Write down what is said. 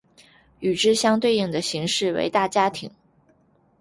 与之相对应的形式为大家庭。